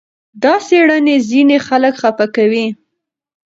دا څېړنې ځینې خلک خپه کوي.